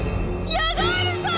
ヤガールさん！